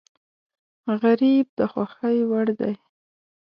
غریب د خوښۍ وړ دی